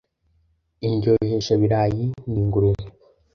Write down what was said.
Indyoheshabirayi ni ngurube